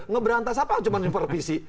ngeberantasan apa cuma supervisi